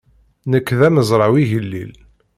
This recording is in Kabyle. Nekk d amezraw igellil.